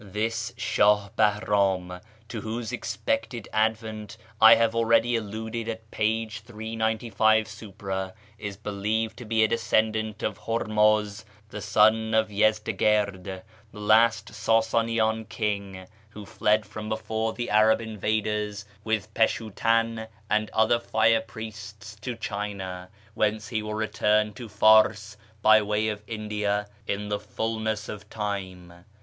This Shah Bahram, to whose expected advent I have already alluded at p. 395 supra, is believed to be a descendant of Hurmuz the son of Yezdigird (the last Sasanian king), who fled from before the Arab invaders, with Peshiitan and other fire priests, to China; whence he will return to Fars by way of India in the fulness of time.